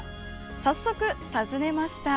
早速、訪ねました。